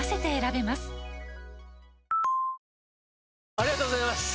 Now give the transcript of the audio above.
ありがとうございます！